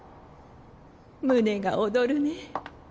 胸が躍るね。